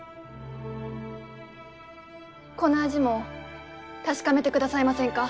この味も確かめてくださいませんか？